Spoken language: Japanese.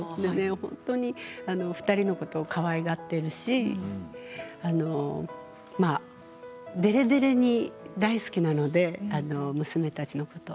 本当に、２人のことをかわいがっているしでれでれに大好きなので娘たちのこと。